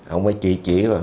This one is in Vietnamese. ông ấy chỉ chỉ